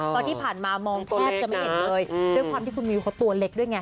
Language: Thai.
เพราะที่ผ่านมามองแทบจะไม่เห็นเลยด้วยความที่คุณมิวเขาตัวเล็กด้วยไง